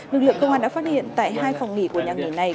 lực lượng công an đã phát hiện tại hai phòng nghỉ của nhà nghỉ này